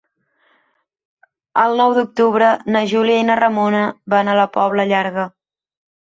El nou d'octubre na Júlia i na Ramona van a la Pobla Llarga.